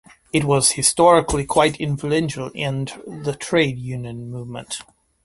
It was historically quite influential in the trade union movement.